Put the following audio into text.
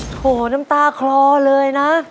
โหน้ำตาคลอเลยนะ